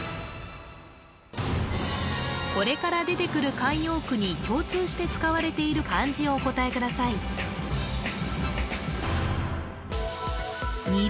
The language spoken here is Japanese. これから出てくる慣用句に共通して使われている漢字をお答えくださいそうね